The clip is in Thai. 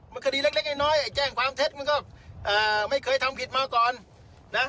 มันคดีเล็กน้อยไอ้แจ้งความเท็จมันก็ไม่เคยทำผิดมาก่อนนะ